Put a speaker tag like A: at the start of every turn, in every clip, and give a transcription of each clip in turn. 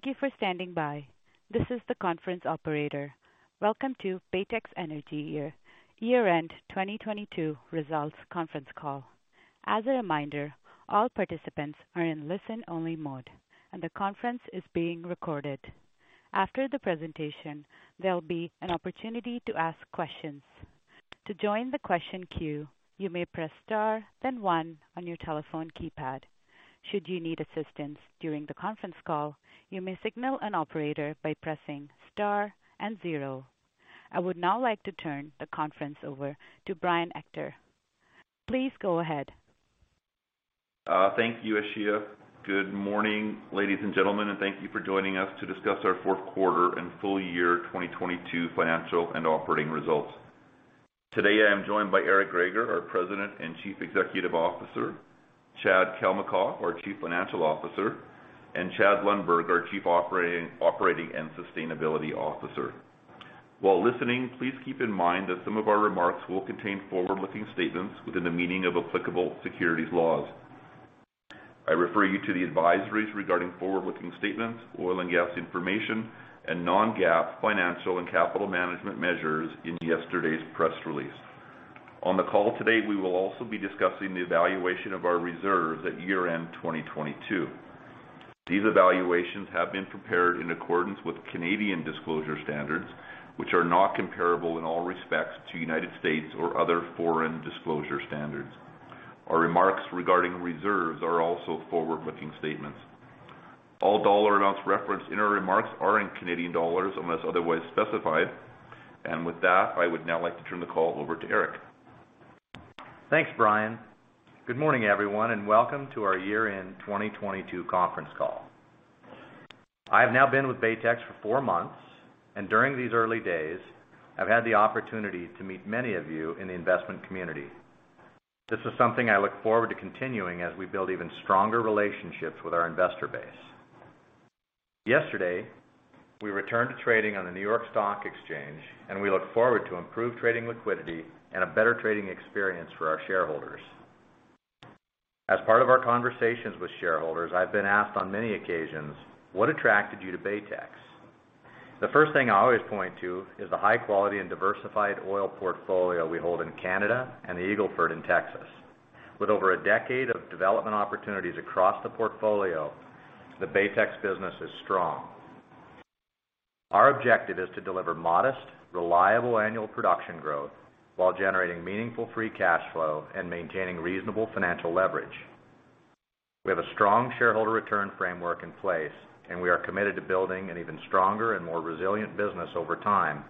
A: Thank you for standing by. This is the conference operator. Welcome to Baytex Energy year-end 2022 results conference call. As a reminder, all participants are in listen-only mode, and the conference is being recorded. After the presentation, there'll be an opportunity to ask questions. To join the question queue, you may press star, then one on your telephone keypad. Should you need assistance during the conference call, you may signal an operator by pressing star and zero. I would now like to turn the conference over to Brian Ector. Please go ahead.
B: Thank you, Ashia. Good morning, ladies and gentlemen, and thank you for joining us to discuss our fourth quarter and full year 2022 financial and operating results. Today, I am joined by Eric Greager, our President and Chief Executive Officer, Chad Kalmakoff, our Chief Financial Officer, and Chad Lundberg, our Chief Operating and Sustainability Officer. While listening, please keep in mind that some of our remarks will contain forward-looking statements within the meaning of applicable securities laws. I refer you to the advisories regarding forward-looking statements, oil and gas information and non-GAAP financial and capital management measures in yesterday's press release. On the call today, we will also be discussing the evaluation of our reserves at year-end 2022. These evaluations have been prepared in accordance with Canadian disclosure standards, which are not comparable in all respects to United States or other foreign disclosure standards. Our remarks regarding reserves are also forward-looking statements. All dollar amounts referenced in our remarks are in Canadian dollars unless otherwise specified. With that, I would now like to turn the call over to Eric.
C: Thanks, Brian. Good morning, everyone, welcome to our year-end 2022 conference call. I have now been with Baytex for four months, during these early days, I've had the opportunity to meet many of you in the investment community. This is something I look forward to continuing as we build even stronger relationships with our investor base. Yesterday, we returned to trading on the New York Stock Exchange, we look forward to improved trading liquidity and a better trading experience for our shareholders. As part of our conversations with shareholders, I've been asked on many occasions, what attracted you to Baytex? The first thing I always point to is the high quality and diversified oil portfolio we hold in Canada and the Eagle Ford in Texas. With over a decade of development opportunities across the portfolio, the Baytex business is strong. Our objective is to deliver modest, reliable annual production growth while generating meaningful free cash flow and maintaining reasonable financial leverage. We have a strong shareholder return framework in place, and we are committed to building an even stronger and more resilient business over time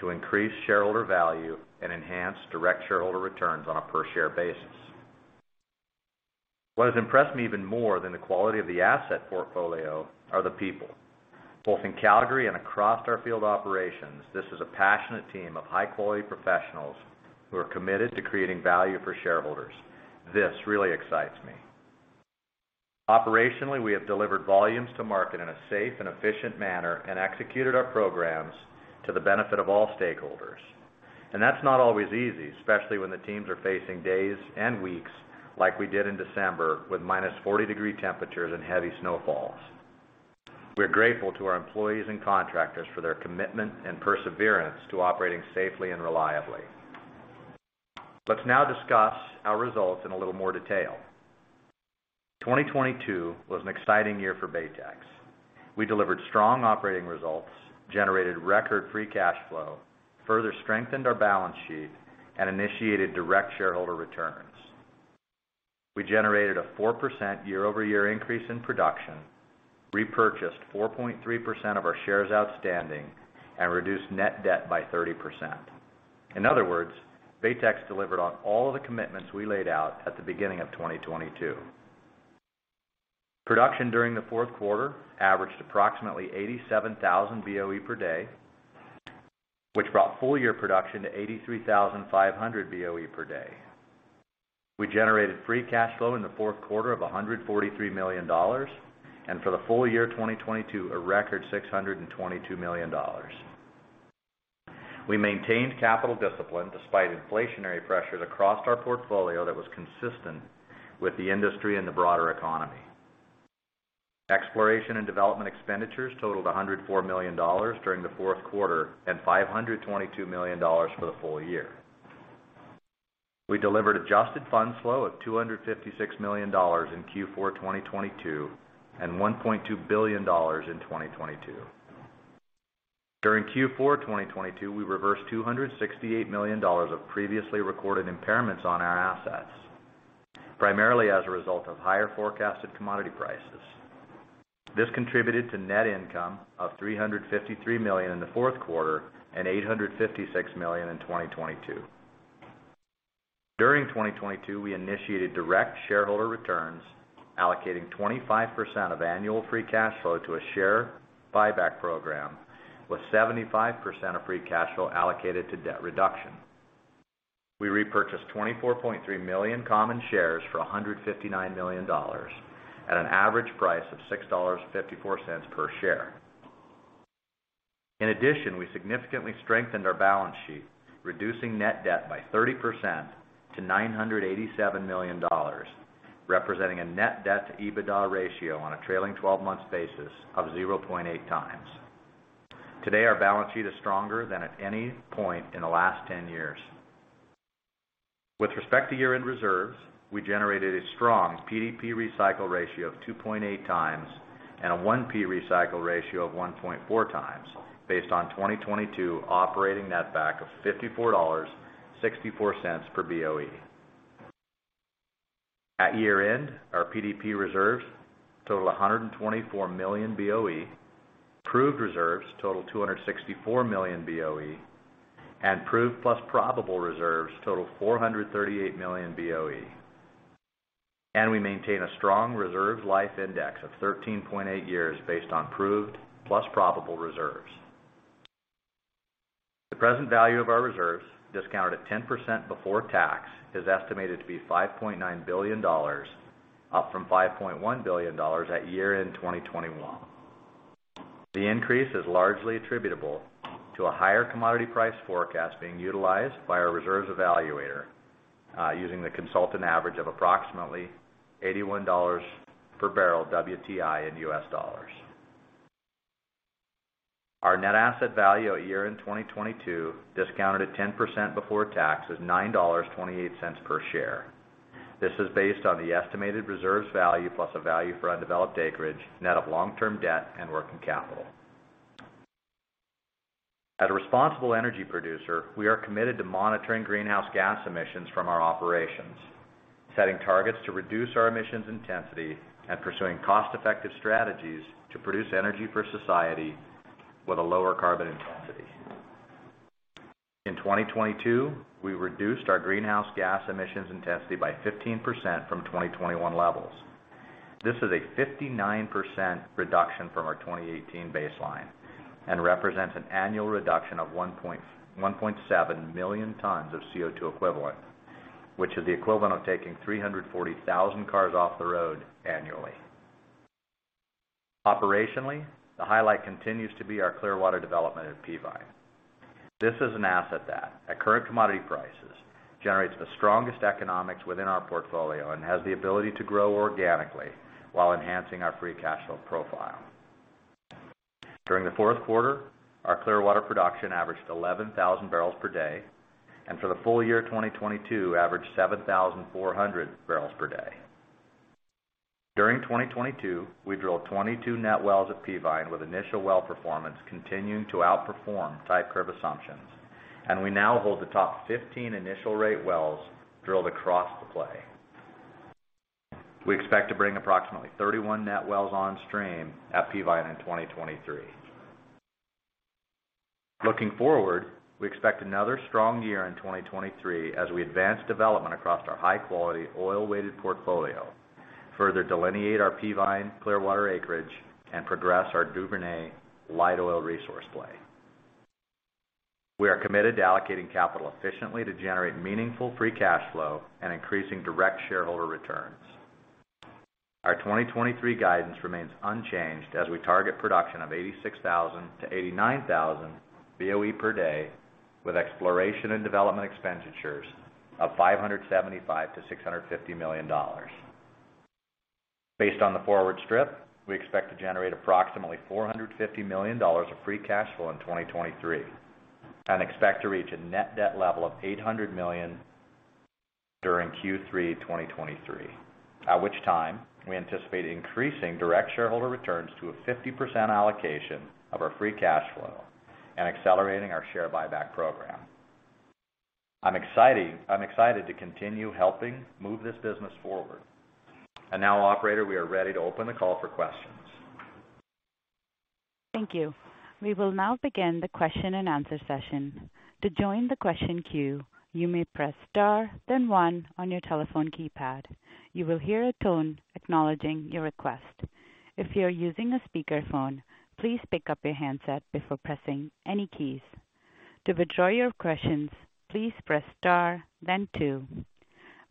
C: to increase shareholder value and enhance direct shareholder returns on a per-share basis. What has impressed me even more than the quality of the asset portfolio are the people. Both in Calgary and across our field operations, this is a passionate team of high-quality professionals who are committed to creating value for shareholders. This really excites me. Operationally, we have delivered volumes to market in a safe and efficient manner and executed our programs to the benefit of all stakeholders. And that's not always easy, especially when the teams are facing days and weeks like we did in December with -40 degree temperatures and heavy snowfalls. We are grateful to our employees and contractors for their commitment and perseverance to operating safely and reliably. Let's now discuss our results in a little more detail. 2022 was an exciting year for Baytex. We delivered strong operating results, generated record free cash flow, further strengthened our balance sheet, and initiated direct shareholder returns. We generated a 4% year-over-year increase in production, repurchased 4.3% of our shares outstanding, and reduced net debt by 30%. In other words, Baytex delivered on all of the commitments we laid out at the beginning of 2022. Production during the fourth quarter averaged approximately 87,000 BOE per day, which brought full year production to 83,500 BOE per day. We generated free cash flow in the fourth quarter of 143 million dollars, and for the full year 2022, a record 622 million dollars. We maintained capital discipline despite inflationary pressures across our portfolio that was consistent with the industry and the broader economy. Exploration and development expenditures totaled 104 million dollars during the fourth quarter and 522 million dollars for the full year. We delivered adjusted funds flow of 256 million dollars in Q4 2022 and 1.2 billion dollars in 2022. During Q4 2022, we reversed 268 million dollars of previously recorded impairments on our assets, primarily as a result of higher forecasted commodity prices. This contributed to net income of 353 million in the fourth quarter and 856 million in 2022. During 2022, we initiated direct shareholder returns, allocating 25% of annual free cash flow to a share buyback program, with 75% of free cash flow allocated to debt reduction. We repurchased 24.3 million common shares for 159 million dollars at an average price of 6.54 dollars per share. In addition, we significantly strengthened our balance sheet, reducing net debt by 30% to 987 million dollars, representing a net debt-to-EBITDA ratio on a trailing twelve-month basis of 0.8 times. Today, our balance sheet is stronger than at any point in the last 10 years. With respect to year-end reserves, we generated a strong PDP recycle ratio of 2.8x and a 1P recycle ratio of 1.4x, based on 2022 operating netback of 54.64 dollars per BOE. At year-end, our PDP reserves totaled 124 million BOE, proved reserves totaled 264 million BOE and proved plus probable reserves totaled 438 million BOE and we maintained a strong reserve life index of 13.8 years based on proved plus probable reserves. The present value of our reserves, discounted at 10% before tax, is estimated to be 5.9 billion dollars, up from 5.1 billion dollars at year-end 2021. The increase is largely attributable to a higher commodity price forecast being utilized by our reserves evaluator, using the consultant average of approximately $81 per barrel WTI. Our net asset value at year-end 2022, discounted at 10% before tax, was 9.28 per share. This is based on the estimated reserves value, plus a value for undeveloped acreage, net of long-term debt and working capital. As a responsible energy producer, we are committed to monitoring greenhouse gas emissions from our operations, setting targets to reduce our greenhouse gas emissions intensity and pursuing cost-effective strategies to produce energy for society with a lower carbon intensity. In 2022, we reduced our greenhouse gas emissions intensity by 15% from 2021 levels. This is a 59% reduction from our 2018 baseline and represents an annual reduction of 1.7 million tons of CO2 equivalent, which is the equivalent of taking 340,000 cars off the road annually. Operationally, the highlight continues to be our Clearwater development at Peavine. This is an asset that, at current commodity prices, generates the strongest economics within our portfolio and has the ability to grow organically while enhancing our free cash flow profile. During the fourth quarter, our Clearwater production averaged 11,000 barrels per day, and for the full year 2022, averaged 7,400 barrels per day. During 2022, we drilled 22 net wells at Peavine, with initial well performance continuing to outperform type curve assumptions, and we now hold the top 15 initial rate wells drilled across the play. We expect to bring approximately 31 net wells on stream at Peavine in 2023. Looking forward, we expect another strong year in 2023 as we advance development across our high-quality oil-weighted portfolio, further delineate our Peavine Clearwater acreage, and progress our Duvernay light oil resource play. We are committed to allocating capital efficiently to generate meaningful free cash flow and increasing direct shareholder returns. Our 2023 guidance remains unchanged as we target production of 86,000-89,000 BOE per day, with exploration and development expenditures of 575 million-650 million dollars. Based on the forward strip, we expect to generate approximately 450 million dollars of free cash flow in 2023 and expect to reach a net debt level of 800 million during Q3 2023, at which time we anticipate increasing direct shareholder returns to a 50% allocation of our free cash flow and accelerating our share buyback program. I'm excited to continue helping move this business forward. Now, operator, we are ready to open the call for questions.
A: Thank you. We will now begin the question-and-answer session. To join the question queue, you may press star then one on your telephone keypad. You will hear a tone acknowledging your request. If you are using a speakerphone, please pick up your handset before pressing any keys. To withdraw your questions, please press star then two.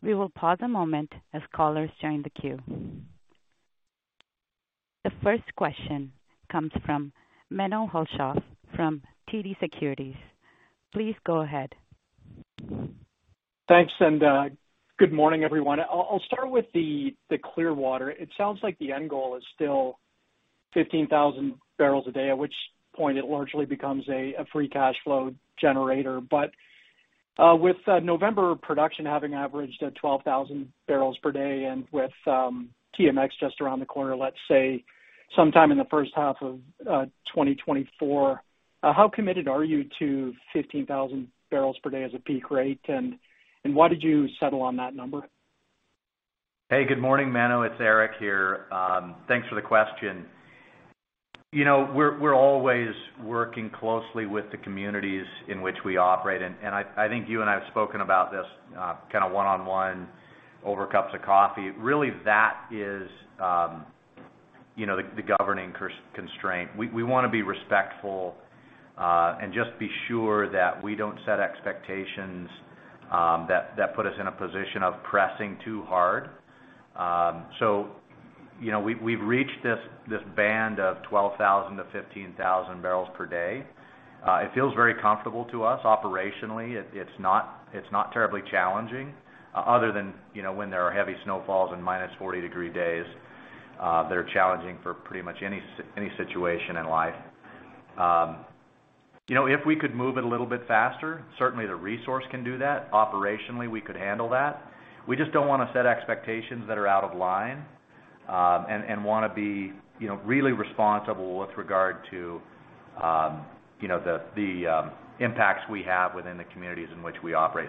A: We will pause a moment as callers join the queue. The first question comes from Menno Hulshof from TD Securities. Please go ahead.
D: Thanks, and good morning, everyone. I'll start with the Clearwater. It sounds like the end goal is still 15,000 barrels a day, at which point it largely becomes a free cash flow generator, but with November production having averaged at 12,000 barrels per day and with TMX just around the corner, let's say sometime in the first half of 2024, how committed are you to 15,000 barrels per day as a peak rate? Why did you settle on that number?
C: Hey, good morning, Menno. It's Eric here. Thanks for the question. You know, we're always working closely with the communities in which we operate. I think you and I have spoken about this kind of one-on-one over cups of coffee. Really, that is, you know, the governing constraint. We wanna be respectful and just be sure that we don't set expectations that put us in a position of pressing too hard. You know, we've reached this band of 12,000-15,000 barrels per day. It feels very comfortable to us operationally. It's not terribly challenging other than, you know, when there are heavy snowfalls and -40 degree days that are challenging for pretty much any situation in life. You know, if we could move it a little bit faster, certainly the resource can do that. Operationally, we could handle that. We just don't wanna set expectations that are out of line, and wanna be, you know, really responsible with regard to, you know, the impacts we have within the communities in which we operate.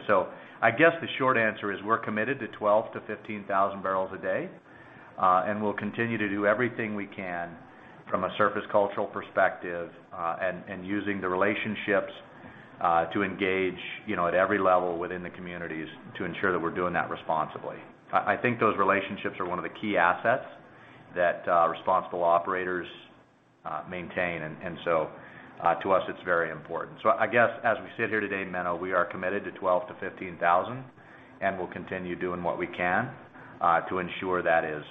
C: I guess the short answer is we're committed to 12,000-15,000 barrels a day, and we'll continue to do everything we can from a surface cultural perspective, and using the relationships, to engage, you know, at every level within the communities to ensure that we're doing that responsibly. I think those relationships are one of the key assets that responsible operators maintain and so to us, it's very important. I guess as we sit here today, Menno, we are committed to 12,000-15,000, and we'll continue doing what we can to ensure that is,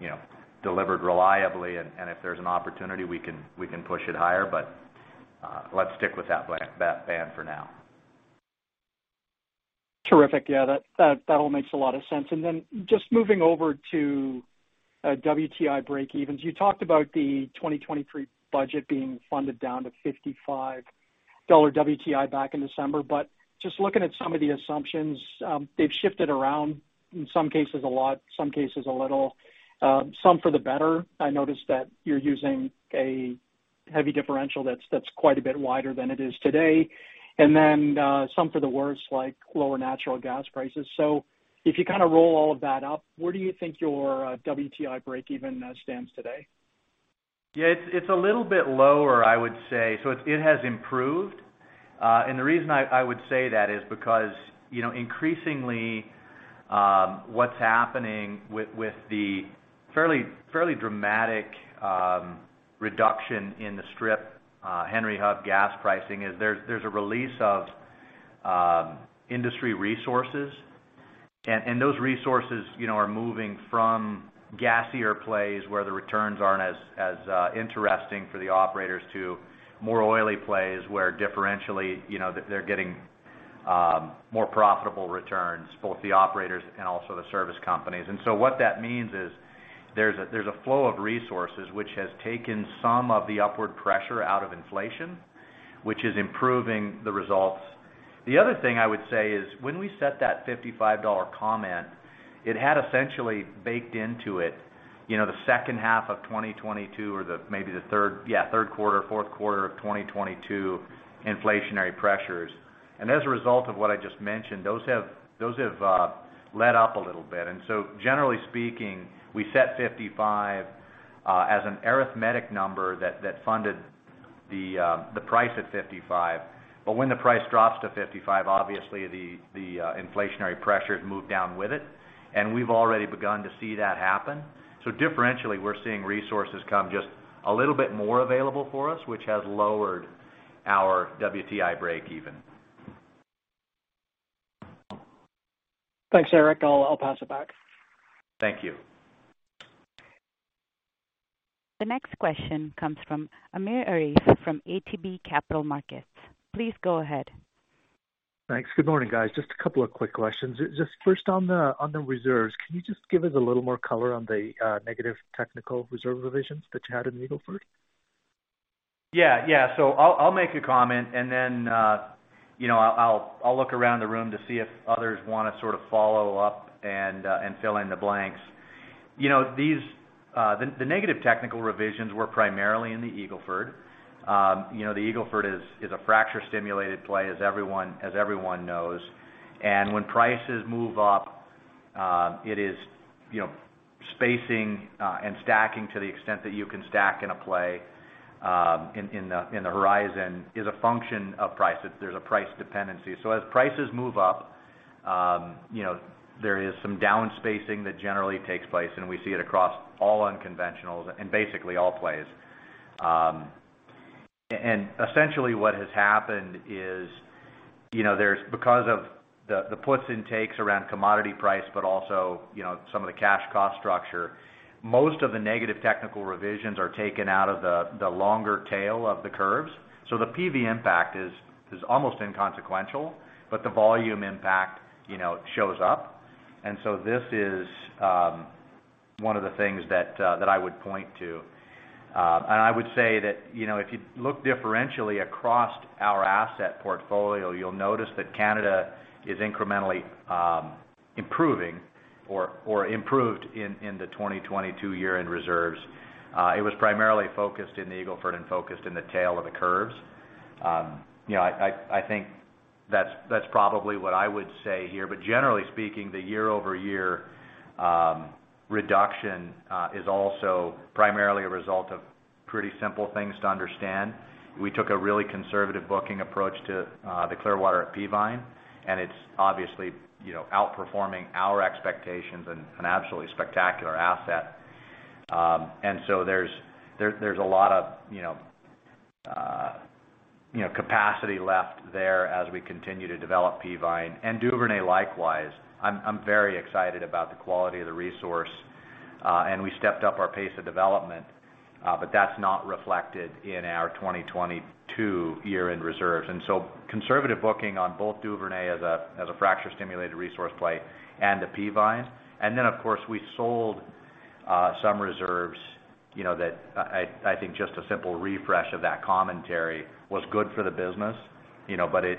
C: you know, delivered reliably. If there's an opportunity, we can push it higher, but let's stick with that band for now.
D: Terrific. Yeah. That, that all makes a lot of sense. Just moving over to WTI breakevens. You talked about the 2023 budget being funded down to 55 dollar WTI back in December, but just looking at some of the assumptions, they've shifted around, in some cases a lot, some cases a little, some for the better. I noticed that you're using a heavy differential that's quite a bit wider than it is today, and then, some for the worse, like lower natural gas prices. So if you kinda roll all of that up, where do you think your WTI breakeven stands today?
C: Yeah, it's a little bit lower, I would say. It has improved. The reason I would say that is because, you know, increasingly, what's happening with the fairly dramatic reduction in the strip, Henry Hub gas pricing is there's a release of industry resources. Those resources, you know, are moving from gassier plays where the returns aren't as interesting for the operators to more oily plays where differentially, you know, they're getting more profitable returns, both the operators and also the service companies. What that means is there's a flow of resources which has taken some of the upward pressure out of inflation, which is improving the results. The other thing I would say is, when we set that 55 dollar comment, it had essentially baked into it, you know, the second half of 2022 or the third quarter, fourth quarter of 2022 inflationary pressures. As a result of what I just mentioned, those have let up a little bit. Generally speaking, we set 55 as an arithmetic number that funded the price at 55. When the price drops to 55, obviously the inflationary pressures move down with it, and we've already begun to see that happen. Differentially, we're seeing resources come just a little bit more available for us, which has lowered our WTI breakeven.
D: Thanks, Eric. I'll pass it back.
C: Thank you.
A: The next question comes from Amir Arif from ATB Capital Markets. Please go ahead.
E: Thanks. Good morning, guys. Just a couple of quick questions. Just first on the reserves, can you just give us a little more color on the negative technical reserve revisions that you had in Eagle Ford?
C: Yeah. Yeah. I'll make a comment and then, you know, I'll look around the room to see if others wanna sort of follow up and fill in the blanks. You know, the negative technical revisions were primarily in the Eagle Ford. You know, the Eagle Ford is a fracture-stimulated play as everyone knows. When prices move up, it is, you know, spacing and stacking to the extent that you can stack in a play, in the, in the horizon is a function of price. There's a price dependency. So as prices move up, you know, there is some down spacing that generally takes place, and we see it across all unconventionals and basically all plays. Essentially what has happened is, you know, because of the puts and takes around commodity price, but also, you know, some of the cash cost structure, most of the negative technical revisions are taken out of the longer tail of the curves. So the PV impact is almost inconsequential, but the volume impact, you know, shows up. This is one of the things that I would point to. I would say that, you know, if you look differentially across our asset portfolio, you'll notice that Canada is incrementally improving or improved in the 2022 year-end reserves. It was primarily focused in the Eagle Ford and focused in the tail of the curves. You know, I think that's probably what I would say here. But generally speaking, the year-over-year reduction is also primarily a result of pretty simple things to understand. We took a really conservative booking approach to the Clearwater at Peavine, and it's obviously, you know, outperforming our expectations and an absolutely spectacular asset. There's a lot of, you know, capacity left there as we continue to develop Peavine and Duvernay likewise. I'm very excited about the quality of the resource, and we stepped up our pace of development, but that's not reflected in our 2022 year-end reserves and so conservative booking on both Duvernay as a fracture-stimulated resource play and the Peavine. And then of course, we sold some reserves, you know, that I think just a simple refresh of that commentary was good for the business, you know, but it,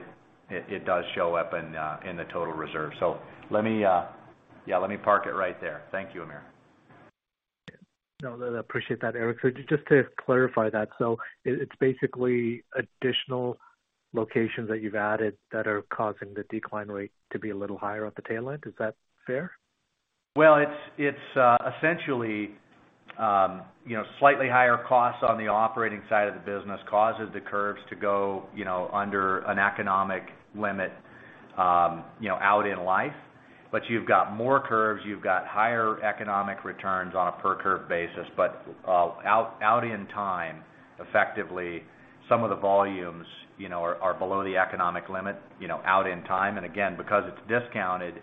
C: it does show up in the total reserve. So let me, yeah, let me park it right there. Thank you, Amir.
E: No, no, I appreciate that, Eric. Just to clarify that, it's basically additional locations that you've added that are causing the decline rate to be a little higher at the tail end. Is that fair?
C: Well, it's, essentially, you know, slightly higher costs on the operating side of the business causes the curves to go, you know, under an economic limit, you know, out in life. You've got more curves, you've got higher economic returns on a per curve basis. Out in time, effectively, some of the volumes, you know, are below the economic limit, you know, out in time. Again, because it's discounted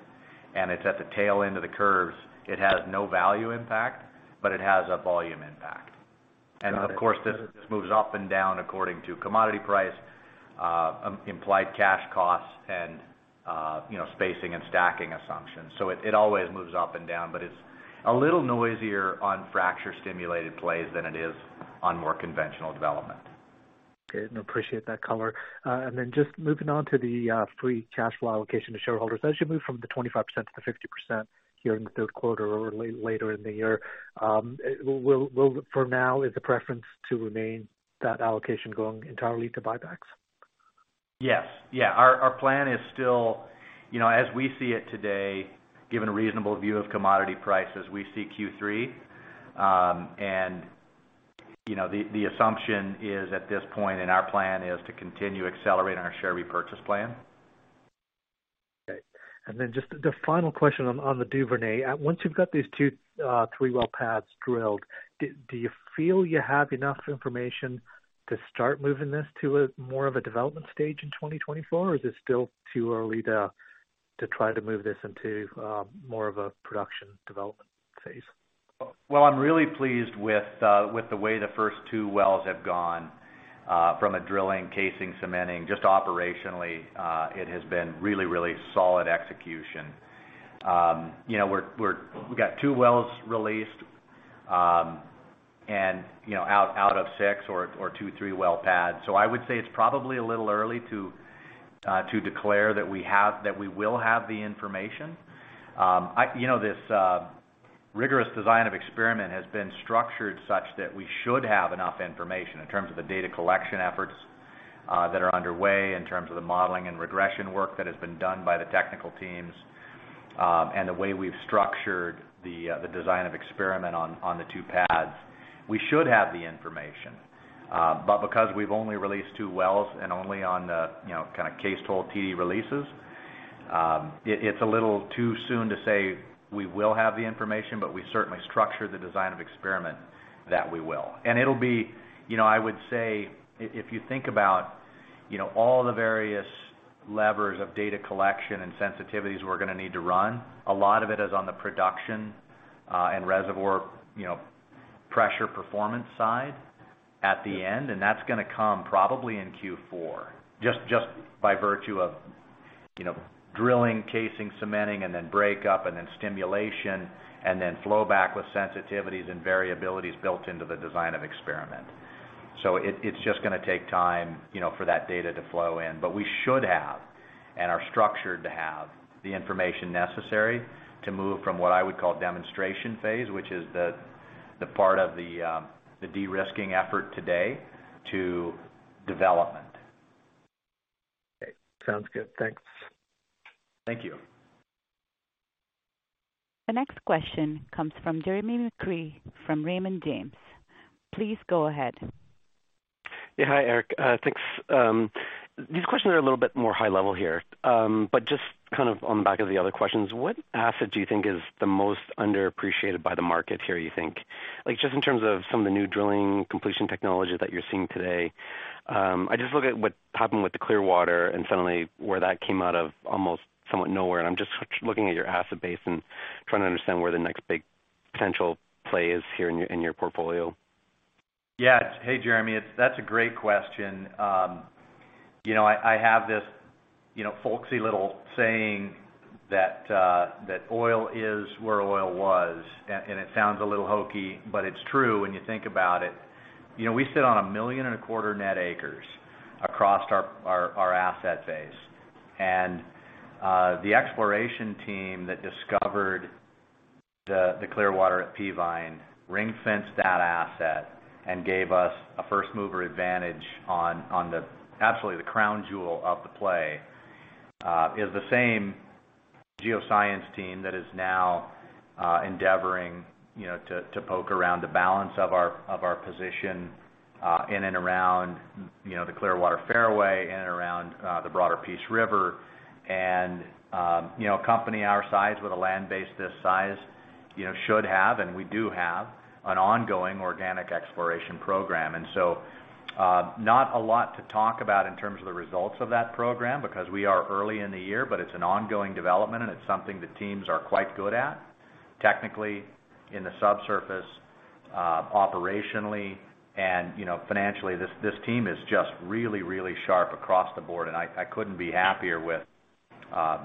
C: and it's at the tail end of the curves, it has no value impact, but it has a volume impact.
E: Got it.
C: Of course, this moves up and down according to commodity price, implied cash costs and, you know, spacing and stacking assumptions. It always moves up and down, but it's a little noisier on fracture-stimulated plays than it is on more conventional development.
E: Okay. No, appreciate that color. Then just moving on to the free cash flow allocation to shareholders, as you move from the 25% to the 50% here in the third quarter or later in the year, will for now, is the preference to remain that allocation going entirely to buybacks?
C: Yes. Yeah. Our plan is still, you know, as we see it today, given a reasonable view of commodity prices, we see Q3 and you know, the assumption is at this point in our plan is to continue accelerating our share repurchase plan.
E: Okay. Just the final question on the Duvernay. Once you've got these two, three well pads drilled, do you feel you have enough information to start moving this to a more of a development stage in 2024? Is it still too early to try to move this into, more of a production development phase?
C: Well, I'm really pleased with the way the first two wells have gone, from a drilling, casing, cementing just operationally, it has been really, really solid execution. You know, we've got two wells released, and, you know, out of six or two, three well pads. I would say it's probably a little early to declare that we will have the information. You know, this rigorous design of experiment has been structured such that we should have enough information in terms of the data collection efforts that are underway, in terms of the modeling and regression work that has been done by the technical teams, and the way we've structured the design of experiment on the two pads. We should have the information. Because we've only released two wells and only on the, you know, kinda cased-to-TD releases, it's a little too soon to say we will have the information, but we certainly structure the design of experiment that we will. It'll be, you know, I would say if you think about, you know, all the various levers of data collection and sensitivities we're gonna need to run, a lot of it is on the production, and reservoir, you know, pressure performance side at the end, and that's gonna come probably in Q4. Just by virtue of, you know, drilling, casing, cementing, and then break up and then stimulation, and then flow back with sensitivities and variabilities built into the design of experiment. So it's just gonna take time, you know, for that data to flow in. We should have, and are structured to have the information necessary to move from what I would call demonstration phase, which is the part of the de-risking effort today to development.
E: Okay. Sounds good. Thanks.
C: Thank you.
A: The next question comes from Jeremy McCrea from Raymond James. Please go ahead.
F: Yeah. Hi, Eric. Thanks. These questions are a little bit more high level here. Just kind of on the back of the other questions, what asset do you think is the most underappreciated by the markets here, you think? Like, just in terms of some of the new drilling completion technology that you're seeing today, I just look at what happened with the Clearwater and suddenly where that came out of almost somewhat nowhere, and I'm just looking at your asset base and trying to understand where the next big potential play is here in your, in your portfolio.
C: Yeah. Hey, Jeremy. That's a great question. You know, I have this, you know, folksy little saying that oil is where oil was. It sounds a little hokey, but it's true when you think about it. You know, we sit on 1.25 million net acres across our asset base. The exploration team that discovered the Clearwater at Peavine ring-fenced that asset and gave us a first-mover advantage on the absolutely the crown jewel of the play, is the same geoscience team that is now endeavoring, you know, to poke around the balance of our position, in and around, you know, the Clearwater fairway, in and around the broader Peace River. You know, a company our size with a land base this size, you know, should have, and we do have an ongoing organic exploration program and so not a lot to talk about in terms of the results of that program because we are early in the year, but it's an ongoing development, and it's something the teams are quite good at. Technically, in the subsurface, operationally and, you know, financially, this team is just really, really sharp across the board, and I couldn't be happier with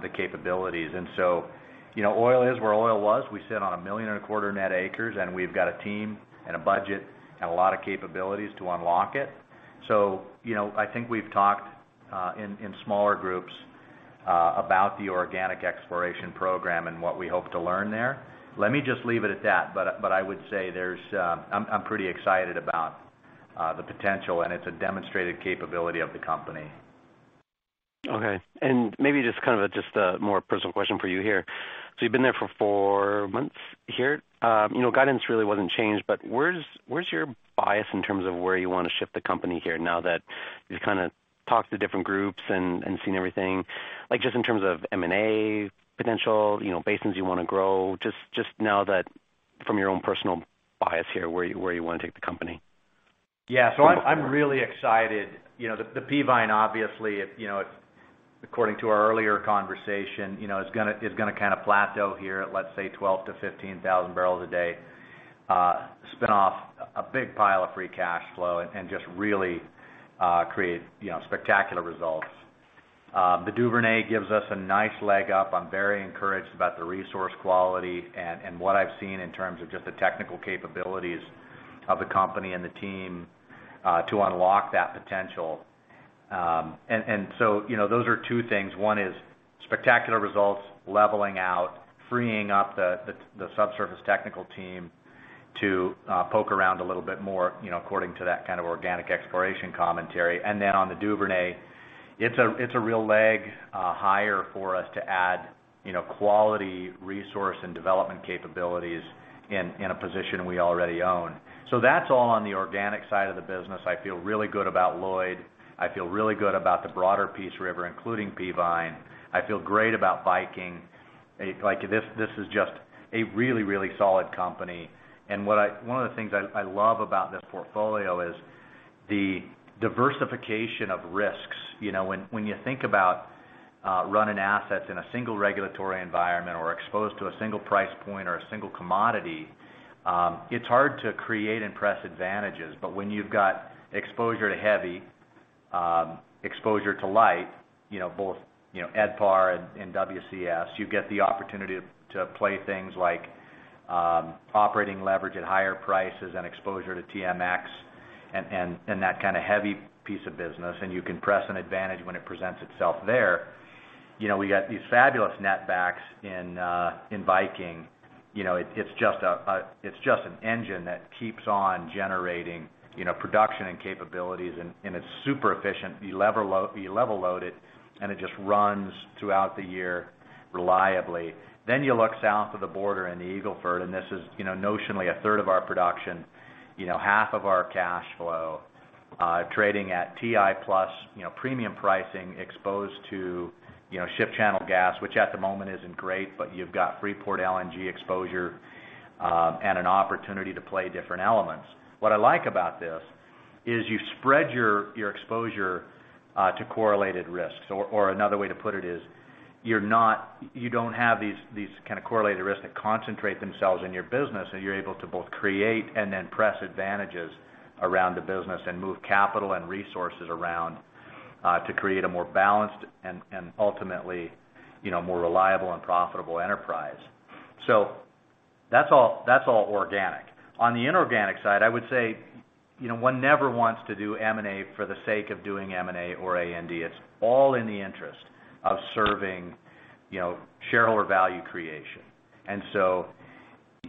C: the capabilities. You know, oil is where oil was. We sit on 1.25 million net acres, and we've got a team and a budget and a lot of capabilities to unlock it. You know, I think we've talked in smaller groups about the organic exploration program and what we hope to learn there. Let me just leave it at that, but I would say there's... I'm pretty excited about the potential, and it's a demonstrated capability of the company.
F: Okay. Maybe just kind of just a more personal question for you here. You've been there for four months here. You know, guidance really wasn't changed, but where's your bias in terms of where you wanna shift the company here now that you kind of talked to different groups and seen everything? Like, just in terms of M&A potential, you know, basins you wanna grow, just know that from your own personal bias here, where you wanna take the company?
C: I'm really excited. You know, the Peavine, obviously, if, you know, if according to our earlier conversation, you know, is gonna kinda plateau here at, let's say, 12,000-15,000 barrels a day. Spin off a big pile of free cash flow and just really create, you know, spectacular results. The Duvernay gives us a nice leg up. I'm very encouraged about the resource quality and what I've seen in terms of just the technical capabilities of the company and the team, to unlock that potential. You know, those are two things. One is spectacular results, leveling out, freeing up the subsurface technical team to poke around a little bit more, you know, according to that kind of organic exploration commentary. And then on the Duvernay, it's a real leg higher for us to add, you know, quality, resource and development capabilities in a position we already own. So that's all on the organic side of the business. I feel really good about Lloyd. I feel really good about the broader Peace River, including Peavine. I feel great about Viking. Like, this is just a really, really solid company. One of the things I love about this portfolio is the diversification of risks. You know, when you think about running assets in a single regulatory environment or exposed to a single price point or a single commodity, it's hard to create and press advantages. When you've got exposure to heavy, exposure to light, you know, both, you know, Edmonton Par and WCS, you get the opportunity to play things like operating leverage at higher prices and exposure to TMX and that kind of heavy piece of business, and you can press an advantage when it presents itself there. You know, we got these fabulous netbacks in Viking. You know, it's just an engine that keeps on generating, you know, production and capabilities, and it's super efficient. You level load it, and it just runs throughout the year reliably. Then, you look south of the border in the Eagle Ford, and this is, you know, notionally a third of our production, you know, half of our cash flow, trading at WTI plus, you know, premium pricing exposed to, you know, ship channel gas, which at the moment isn't great, but you've got Freeport LNG exposure, and an opportunity to play different elements. What I like about this is you spread your exposure, to correlated risks. Another way to put it is you don't have these kind of correlated risks that concentrate themselves in your business, and you're able to both create and then press advantages around the business and move capital and resources around, to create a more balanced and ultimately, you know, more reliable and profitable enterprise. That's all, that's all organic. On the inorganic side, I would say, you know, one never wants to do M&A for the sake of doing M&A or A&D. It's all in the interest of serving, you know, shareholder value creation.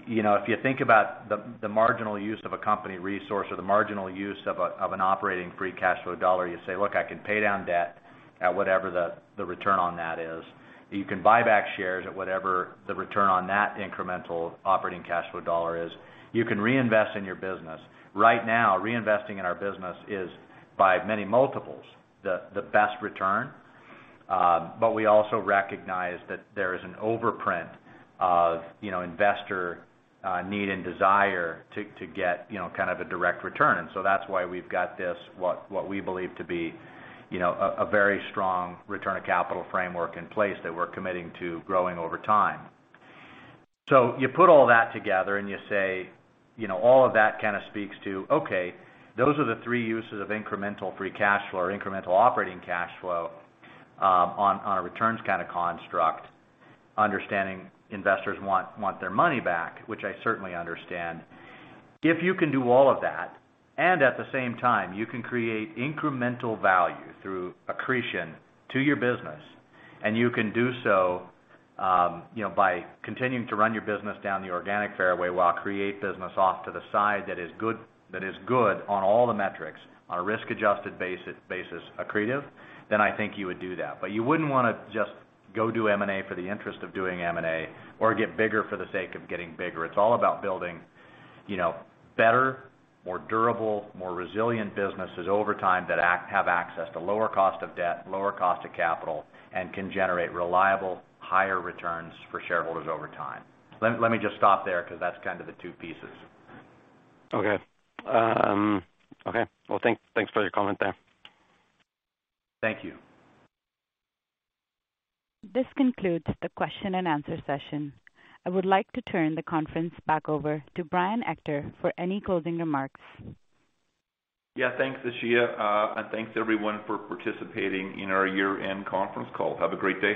C: You know, if you think about the marginal use of a company resource or the marginal use of an operating free cash flow dollar, you say, "Look, I can pay down debt at whatever the return on that is." You can buy back shares at whatever the return on that incremental operating cash flow dollar is. You can reinvest in your business. Right now, reinvesting in our business is by many multiples, the best return, but we also recognize that there is an overprint of, you know, investor need and desire to get, you know, kind of a direct return. That's why we've got this, what we believe to be, you know, a very strong return of capital framework in place that we're committing to growing over time. You put all that together and you say, you know, all of that kind of speaks to, okay, those are the three uses of incremental free cash flow or incremental operating cash flow, on a returns kind of construct, understanding investors want their money back, which I certainly understand. If you can do all of that, and at the same time, you can create incremental value through accretion to your business, and you can do so, you know, by continuing to run your business down the organic fairway while create business off to the side that is good, that is good on all the metrics on a risk-adjusted basis accretive, then I think you would do that. You wouldn't wanna just go do M&A for the interest of doing M&A or get bigger for the sake of getting bigger. It's all about building, you know, better, more durable, more resilient businesses over time that have access to lower cost of debt, lower cost of capital, and can generate reliable, higher returns for shareholders over time. Let me just stop there because that's kind of the two pieces.
F: Okay. Okay. Thanks for your comment there.
C: Thank you.
A: This concludes the question and answer session. I would like to turn the conference back over to Brian Ector for any closing remarks.
B: Yeah. Thanks, Ashia. Thanks, everyone, for participating in our year-end conference call. Have a great day.